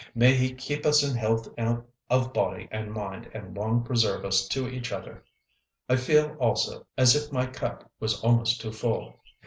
"May He keep us in health of body and mind, and long preserve us to each other. I feel, also, as if my cup was almost too full.